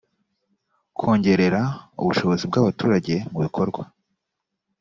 kongerera ubushobozi bw’abaturage mubikorwa